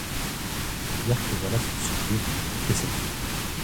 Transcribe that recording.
Dire que voilà son soulier, et que c'est tout!